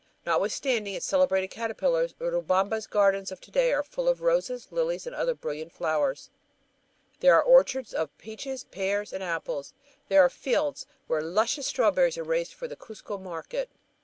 Notwithstanding its celebrated caterpillars, Urubamba's gardens of to day are full of roses, lilies, and other brilliant flowers. There are orchards of peaches, pears, and apples; there are fields where luscious strawberries are raised for the Cuzco market.